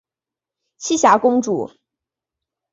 栖霞公主。